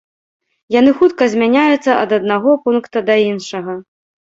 Яны хутка змяняюцца ад аднаго пункта да іншага.